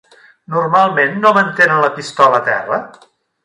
Normalment no mantenen la pistola a terra?